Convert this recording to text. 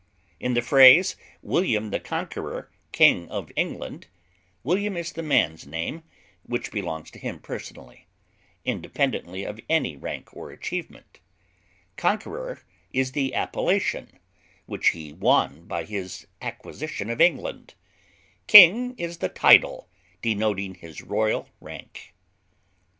In the phrase William the Conqueror, King of England, William is the man's name, which belongs to him personally, independently of any rank or achievement; Conqueror is the appellation which he won by his acquisition of England; King is the title denoting his royal rank.